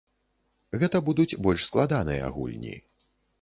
Гэта будуць больш складаныя гульні.